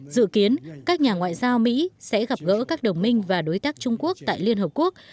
dự kiến các nhà ngoại giao mỹ sẽ gặp gỡ các đồng minh và đối tác trung quốc tại liên hợp quốc